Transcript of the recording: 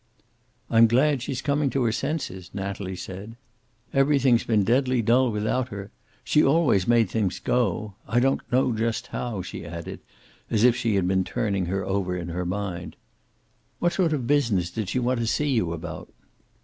"I'm glad she's coming to her senses," Natalie said. "Everything's been deadly dull without her. She always made things go I don't know just how," she added, as if she had been turning her over in her mind. "What sort of business did she want to see you about?"